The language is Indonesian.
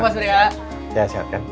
siap pak surya